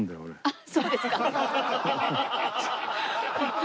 あっそうですか。